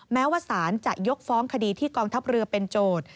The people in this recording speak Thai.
แม้ว่าสารจะยกฟ้องคดีที่กองทัพเรือเป็นโจทย์